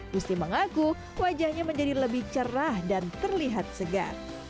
gusti mengaku wajahnya menjadi lebih cerah dan terlihat segar